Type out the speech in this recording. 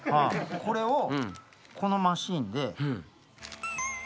これをこのマシンで。